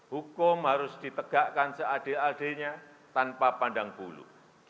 hukum harus ditegakkan seadil adilnya tanpa pandang bulu